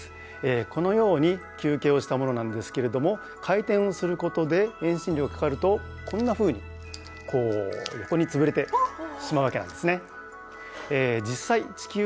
このように球形をしたものなんですけれども回転をすることで遠心力がかかるとこんなふうにこう横につぶれてしまうわけなんですね。